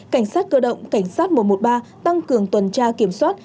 cảnh sát cơ động cảnh sát một trăm một mươi ba tăng cường tuần tra kiểm soát